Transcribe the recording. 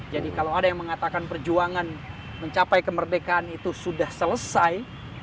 jadi kalau ada yang mengatakan perjuangan mencapai kemerdekaan itu sudah selesai